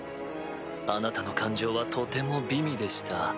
あなたの感情はとても美味でした。